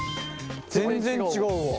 全然違うわ。